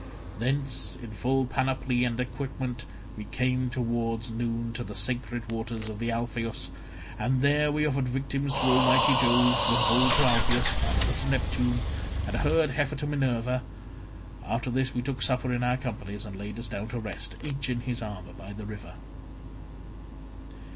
Thence in full panoply and equipment we came towards noon to the sacred waters of the Alpheus, and there we offered victims to almighty Jove, with a bull to Alpheus, another to Neptune, and a herd heifer to Minerva. After this we took supper in our companies, and laid us down to rest each in his armour by the river.